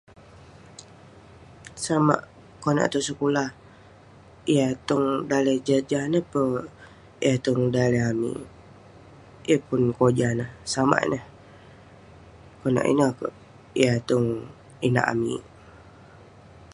Samak konak tong sekulah, yah tong daleh jah jah ineh peh yah tong daleh amik..yeng pun kojah neh..samak ineh..konak ineh kerk yah tong inak amik